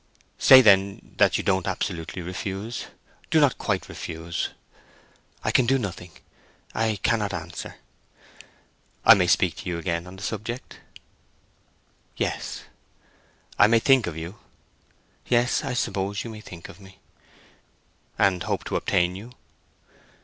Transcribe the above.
"Say then, that you don't absolutely refuse. Do not quite refuse?" "I can do nothing. I cannot answer." "I may speak to you again on the subject?" "Yes." "I may think of you?" "Yes, I suppose you may think of me." "And hope to obtain you?"